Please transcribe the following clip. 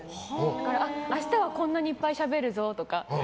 だから、明日はこんなにいっぱいしゃべるぞとか。